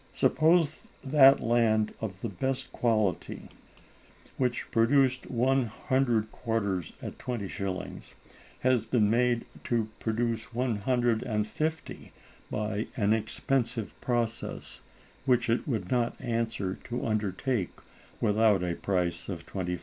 Suppose that land of the best quality, which produced one hundred quarters at 20_s._, has been made to produce one hundred and fifty by an expensive process, which it would not answer to undertake without a price of 25_s.